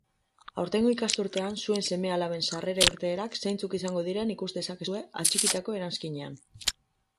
Aurtengo ikasturtean zuen seme-alaben sarrera-irteerak zeintzuk izango diren ikus dezakezue atxikitako eranskinean.